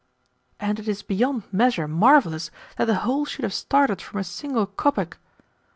"And it is beyond measure marvellous that the whole should have started from a single kopeck."